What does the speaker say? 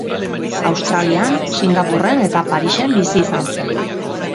Australian, Singapurren eta Parisen bizi izan zen.